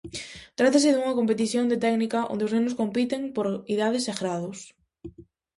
Trátase dunha competición de técnica onde os nenos compiten por idades e graos.